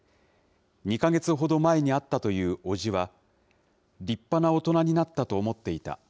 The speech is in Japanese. ２か月ほど前に会ったという叔父は、立派な大人になったと思っていた。